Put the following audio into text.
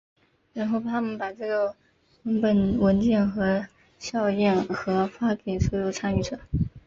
然后他们把这个文本文件和校验和发给所有参与者。